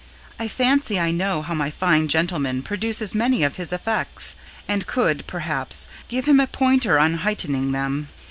I fancy I know how my fine gentleman produces many of his effects, and could, perhaps, give him a pointer on heightening them.